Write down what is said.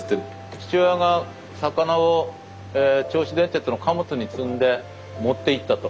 父親が魚を銚子電鉄の貨物に積んで持っていったと。